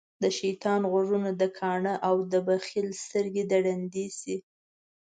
دشيطان غوږونه دکاڼه او دبخیل سترګی د ړندی شی